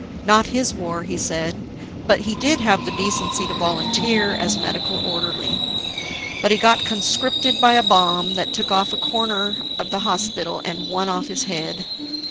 Not his war, he said; but he did have the decency to volunteer as medical orderly. But he got conscripted by a bomb that took a corner off the hospital and one off his head.